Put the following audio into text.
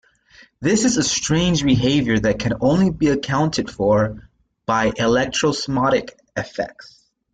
This is a strange behavior that can only be accounted for by electroosmotic effects.